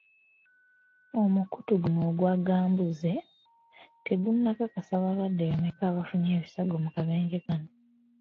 Omukutu guno ogwa Gambuuze tegunakakasa balwadde bameka abafunye ebisago mu kabenje kano.